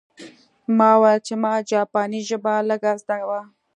ما وویل چې ما جاپاني ژبه لږه زده وه